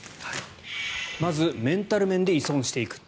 まず、メンタル面で依存していく。